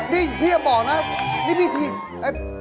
นี่เพียบบอกนะนี่พี่ทีม